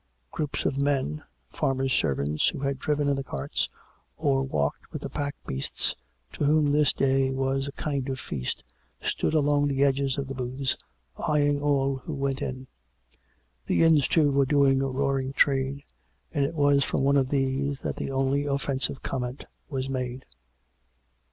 Groups of men — farmers' servants who had driven in the carts, or walked with the pack beasts — to whom this day was a kind of feast, stood along the edges of the booths eyeing all who went by. The inns, too, were doing a roar ing trade, and it was from one of these that the only offensive comment was made.